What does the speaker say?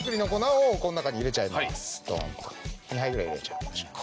２杯ぐらい入れちゃいましょう。